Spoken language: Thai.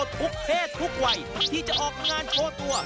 ทุกเพศทุกวัยที่จะออกงานโชว์ตัว